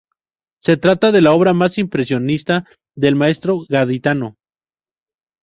Se trata de la obra más impresionista del maestro gaditano.